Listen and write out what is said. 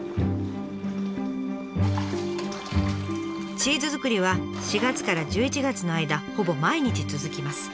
チーズ作りは４月から１１月の間ほぼ毎日続きます。